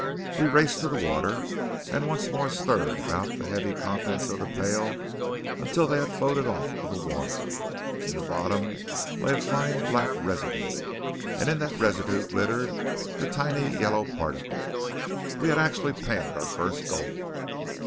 We raced to the water, and once more stirred about the heavy contents of the pail until they had floated off with the water. In the bottom lay a fine black residue; and in that residue glittered the tiny yellow particles. We had actually panned our first gold!